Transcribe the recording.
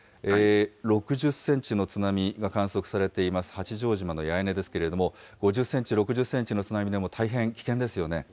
６０センチの津波が観測されています、八丈島の八重根ですけれども、５０センチ、６０センチの津波でも大変危険ですよね。